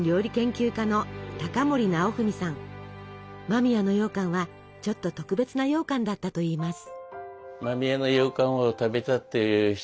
間宮のようかんはちょっと特別なようかんだったといいます。